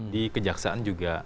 di kejaksaan juga